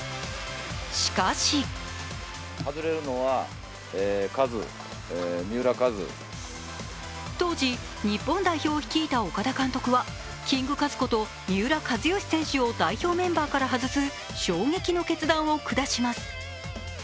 しかし当時日本代表を率いた岡田監督はキングカズこと三浦知良選手を代表メンバーから外す衝撃の決断を下します。